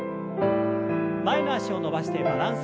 前の脚を伸ばしてバランス。